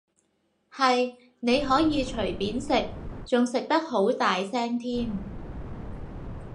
係，你可以隨便食，仲食得好大聲添